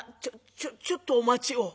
ちょちょっとお待ちを」。